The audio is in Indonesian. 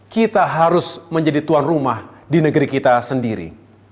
kita harus menjadi tuan rumah di negeri kita sendiri